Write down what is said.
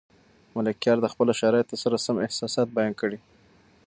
ملکیار د خپلو شرایطو سره سم احساسات بیان کړي.